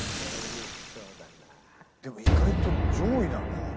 でも意外と上位なのか？